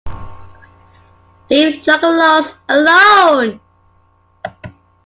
Leave Juggalos alone!